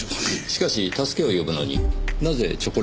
しかし助けを呼ぶのになぜチョコレートでしょう？